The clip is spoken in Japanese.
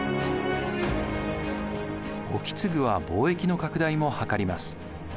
意次は貿易の拡大も図ります。